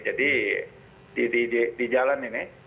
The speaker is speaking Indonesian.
jadi di jalan ini